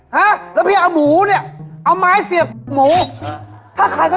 ถ้าใครเขาจะเอาพ่อเองเป็นไง